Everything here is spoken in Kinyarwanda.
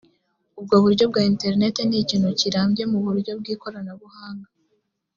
ubwo buryo bwa internet ni ikintu kirambye mu buryo bw’ ikoranabuhanga